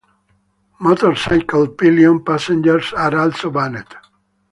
Motorcycle pillion passengers are also banned.